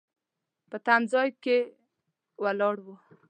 په تم ځای کې ولاړ و.